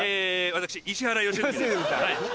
私石原良純です。